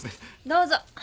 どうぞ。